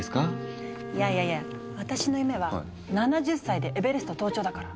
いやいやいや私の夢は７０歳でエベレスト登頂だから。